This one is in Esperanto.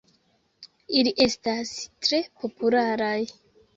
Ili estas tre popularaj.